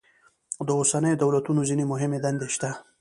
د اوسنیو دولتونو ځینې مهمې دندې شته.